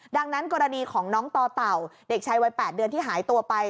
ดังนั้นกรณีของน้องต่อเต่าเด็กชายวัย๘เดือนที่หายตัวไป